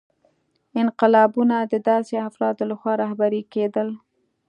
انقلابونه د داسې افرادو لخوا رهبري کېدل.